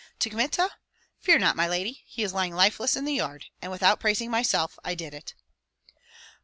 "To Kmita? Fear not, my lady! He is lying lifeless in the yard; and without praising myself I did it."